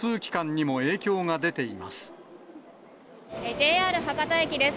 ＪＲ博多駅です。